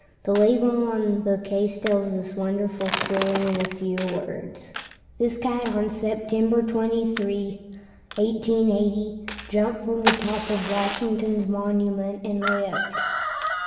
The label on the case tells this wonderful story in a few words: "This cat on September 23, 1880, jumped from the top of Washington's monument and lived."